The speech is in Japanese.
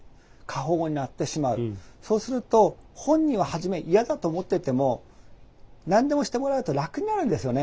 そうすると本人は初め嫌だと思ってても何でもしてもらうと楽になるんですよね。